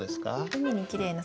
「海にきれいな」